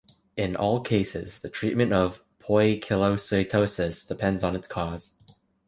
In all cases, the treatment of poikilocytosis depends on its cause.